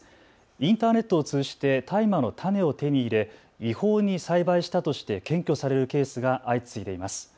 インターネットを通じて大麻の種を手に入れ違法に栽培したとして検挙されるケースが相次いでいます。